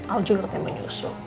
al juga kayak menyusuk